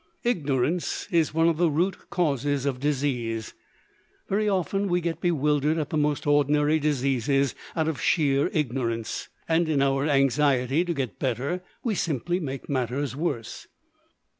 Ignorance is one of the root causes of disease. Very often we get bewildered at the most ordinary diseases out of sheer ignorance, and in our anxiety to get better, we simply make matters worse.